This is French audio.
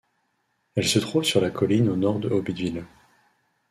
Elle se trouve sur la colline au nord de Hobbiteville.